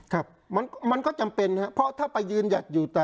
ครับมันก็จำเป็นครับเพราะถ้าไปยืนหยัดอยู่